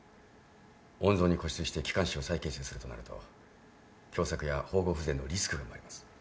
温存に固執して気管支を再形成するとなると狭窄や縫合不全のリスクが生まれます。